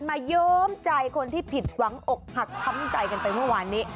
ย้อมใจคนที่ผิดหวังอกหักช้ำใจกันไปเมื่อวานนี้